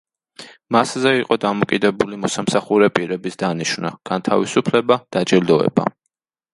მასზე იყო დამოკიდებული მოსამსახურე პირების დანიშვნა, განთავისუფლება, დაჯილდოება.